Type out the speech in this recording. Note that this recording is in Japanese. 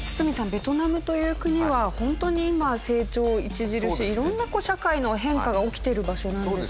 ベトナムという国はホントに今成長著しい色んな社会の変化が起きている場所なんですね。